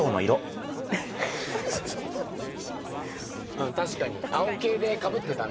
うん確かに青系でかぶってたね。